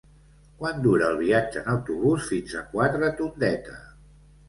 Quant dura el viatge en autobús fins a Quatretondeta?